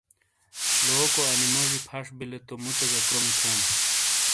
لوکو انی موجی پھش بیلے تو مُوتے گہ کرومی تھون۔